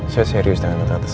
saya serius dengan kata kata saya